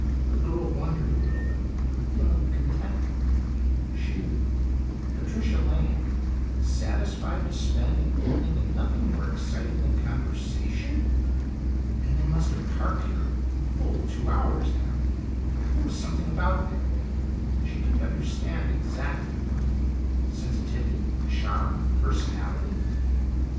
The girl wondered a little at her feeling of contentment; she, Patricia Lane, satisfied to spend an evening in nothing more exciting than conversation! And they must have parked here a full two hours now. There was something about Nick she didn't understand exactly what; sensitivity, charm, personality.